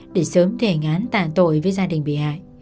để sớm thi hành án tà tội với gia đình bị hại